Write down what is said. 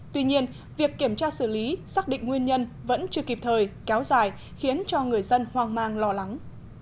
tuy nhiên việc kiểm tra xử lý xác định nguyên nhân vẫn chưa kịp thời kéo dài khiến cho người dân hoang mang lo lắng